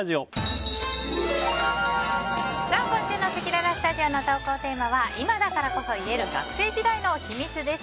今週のせきららスタジオの投稿テーマは今だからこそ言える学生時代の秘密！です。